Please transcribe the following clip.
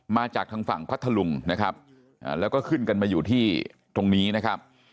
มาจากทางฝั่งพัทธลุงนะครับแล้วก็ขึ้นกันมาอยู่ที่ตรงนี้นะครับ